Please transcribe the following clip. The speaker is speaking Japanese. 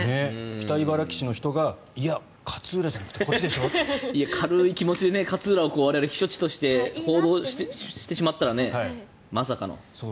北茨城市の人がいや、勝浦じゃなくて軽い気持ちで勝浦を我々は避暑地として報道してしまったらまさかの。